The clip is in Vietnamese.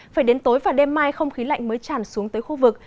phải đến tối và đêm mai không khí lạnh mới tràn xuống tới khu vực